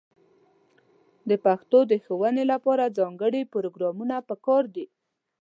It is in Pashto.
د پښتو د ښوونې لپاره ځانګړې پروګرامونه په کار دي.